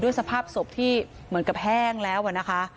สภาพศพที่เหมือนกับแห้งแล้วนะคะ